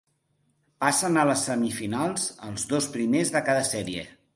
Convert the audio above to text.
Passen a les semifinals els dos primers de cada sèrie.